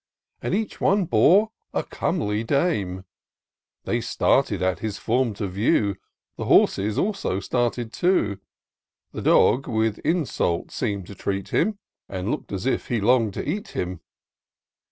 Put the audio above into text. And each one bore a comely dame :^ TOUR OF DOCTOR SYNTAX They started as his form.they view ; The horses also started too : The dog with insult seem'd to treat him, And look'd as if he long'd to eat him.